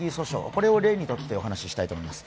これを例にとってお話ししたいと思います